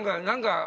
何か。